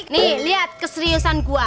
nih liat keseriusan gua